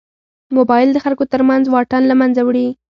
موبایل د خلکو تر منځ واټن له منځه وړي.